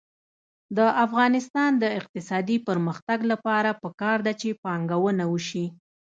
د افغانستان د اقتصادي پرمختګ لپاره پکار ده چې پانګونه وشي.